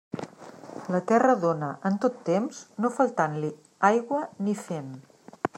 La terra dóna en tot temps no faltant-li aigua ni fem.